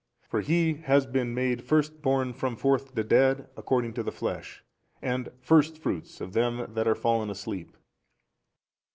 For He has been made First born from forth the dead according to the flesh and first fruits of them that are fallen asleep.